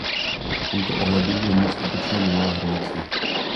V tomto ohledu země skutečně nemá hranice.